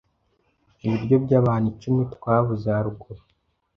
ibiryo by’abantu icumi twavuze haruguru.